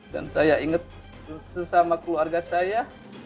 dan saya inget sesama keluarga saya